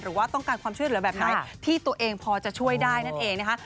หรือว่าต้องการความช่วยเหลือแบบไหนที่ตัวเองพอจะช่วยได้นั่นเองนะคะ